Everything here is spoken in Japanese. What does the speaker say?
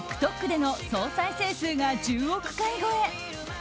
ＴｉｋＴｏｋでの総再生数が１０億回超え。